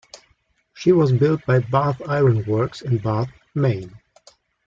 She was built by Bath Iron Works in Bath, Maine.